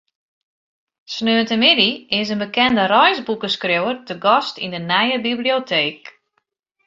Sneontemiddei is in bekende reisboekeskriuwer te gast yn de nije biblioteek.